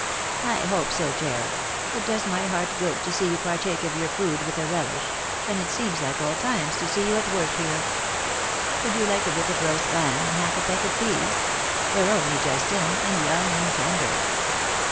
" I hope so, Jarred. It does my heart good to see you par take of your food with a relish, and it seems like old times to see you at work here. Would you like a bit of roast lamb and half a peck of peas F — they're only just in, and young and tender."